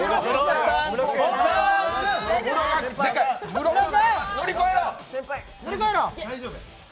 室君乗り越えろ！